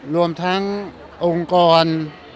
รวมทั้งองค์กร